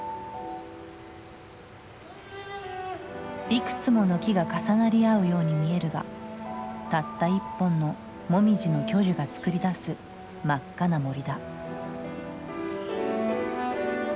いくつもの木が重なり合うように見えるがたった一本のモミジの巨樹が作り出す真っ赤な森だ。